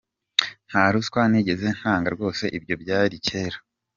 Nta ruswa nigeze ntanga rwose ibyo byari kera.